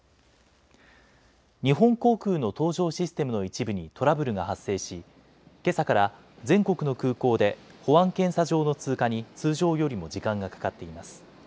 日本航空の搭乗システムの一部にトラブルが発生し、けさから全国の空港で保安検査場の通過に通常よりも時間がかかっています。